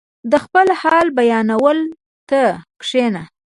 • د خپل حال بیانولو ته کښېنه.